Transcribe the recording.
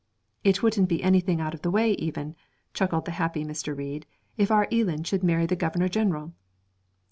'It wouldn't be anything out of the way even,' chuckled the happy Mr. Reid, 'if our Eelan should marry the Governor General.'